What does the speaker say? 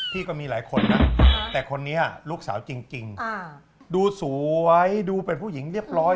ก็มีหลายคนนะแต่คนนี้ลูกสาวจริงดูสวยดูเป็นผู้หญิงเรียบร้อย